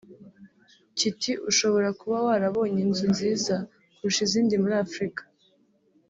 Kiti ushobora kuba warabonye inzu nziza kurusha izindi muri Afurika